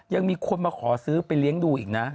ยังมีคนมาขอซื้อไปเลี้ยงดูอีกนะ